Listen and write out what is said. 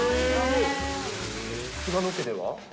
菅野家では？